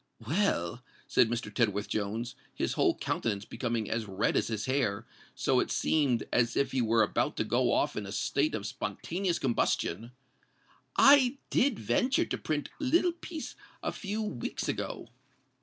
"Well," said Mr. Tedworth Jones, his whole countenance becoming as red as his hair, so that it seemed as if he were about to go off in a state of spontaneous combustion; "I did venture to print little piece a few weeks ago."